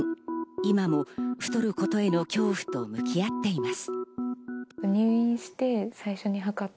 今も太ることへの恐怖と向き合っています。